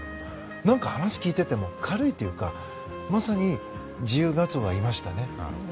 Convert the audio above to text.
何か話を聞いてても軽いというかまさに自由ガツオがいましたね。